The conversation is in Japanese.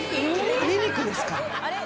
蟹肉ですか。